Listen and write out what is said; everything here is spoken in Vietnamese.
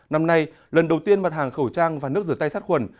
năm nay lần đầu tiên mặt hàng khẩu trang và nước rửa tay sát khuẩn